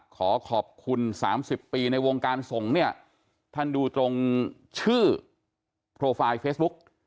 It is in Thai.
ขอขอบคุณ๓๐ปีในวงการสงฆ์เนี่ยท่านดูตรงชื่อโปรไฟล์เฟซบุ๊ก